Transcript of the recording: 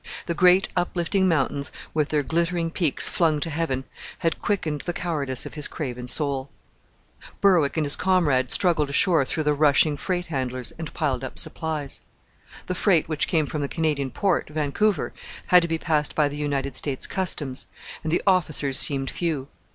The great uplifting mountains with their glittering peaks flung to heaven had quickened the cowardice of his craven soul. Berwick and his comrade struggled ashore through the rushing freight handlers and piled up supplies. The freight which came from the Canadian port, Vancouver, had to be passed by the United States Customs, and the officers seemed few.